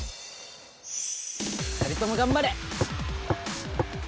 ２人とも頑張れ！